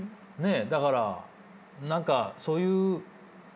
だから何かそういう。